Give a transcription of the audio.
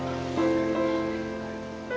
gak ada apa apa